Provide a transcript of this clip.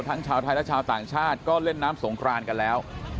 ชาวไทยและชาวต่างชาติก็เล่นน้ำสงครานกันแล้ว